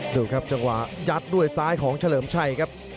ดูครับจังหวะยัดด้วยซ้ายของเฉลิมชัยครับ